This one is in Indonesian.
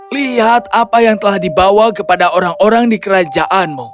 lihat apa yang telah dibawa kepada orang orang di kerajaanmu